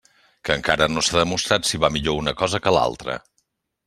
Que encara no s'ha demostrat si va millor una cosa que l'altra.